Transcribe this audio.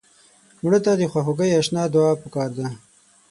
مړه ته د خواخوږۍ اشنا دعا پکار ده